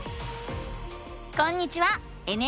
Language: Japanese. こんにちは！